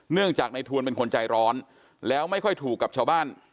เนื่องจากในทวนเป็นคนใจร้อนแล้วไม่ค่อยถูกกับชาวบ้าน